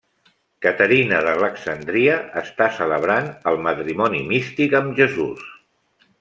Caterina d'Alexandria està celebrant el matrimoni místic amb Jesús.